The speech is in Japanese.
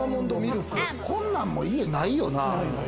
こんなんも、家ないよな。